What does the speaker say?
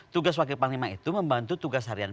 tugas wakil panglima itu membantu tugas harian